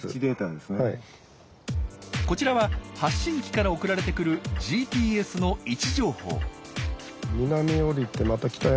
こちらは発信機から送られてくるＧＰＳの位置情報。